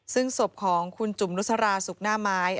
ซึ่งศพของคุณจุ๋มนุษราสุกหน้าไม้